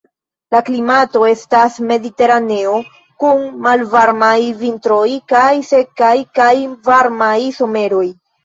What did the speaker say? La klimato estas mediteraneo kun malvarmaj vintroj kaj sekaj kaj varmaj someroj.